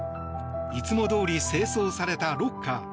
いつもどおり清掃されたロッカー。